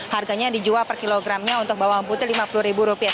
harganya dijual per kilogramnya untuk bawang putih lima puluh ribu rupiah